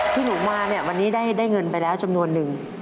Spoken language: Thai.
ที่หนูมาเนี่ยวันนี้ได้เงินไปแล้วจำนวนนึง